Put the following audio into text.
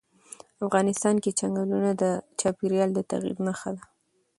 افغانستان کې چنګلونه د چاپېریال د تغیر نښه ده.